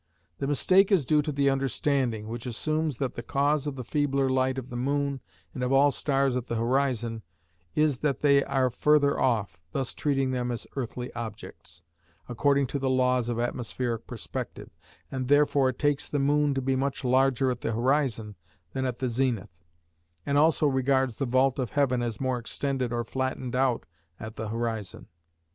The mistake is due to the understanding, which assumes that the cause of the feebler light of the moon and of all stars at the horizon is that they are further off, thus treating them as earthly objects, according to the laws of atmospheric perspective, and therefore it takes the moon to be much larger at the horizon than at the zenith, and also regards the vault of heaven as more extended or flattened out at the horizon.